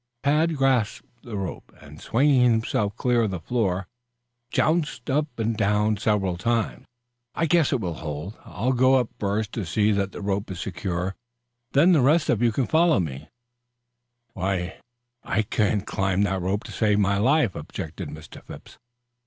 Tad grasped the rope, and swinging himself clear of the floor, jounced up and down several times. "I guess it will hold. I'll go up first to see that the rope is secure; then the rest of you can follow me up." "Why, I couldn't climb that rope to save my life," objected Mr. Phipps.